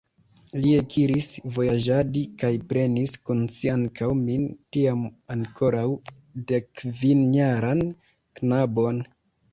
Li ekiris vojaĝadi kaj prenis kun si ankaŭ min, tiam ankoraŭ dekkvinjaran knabon.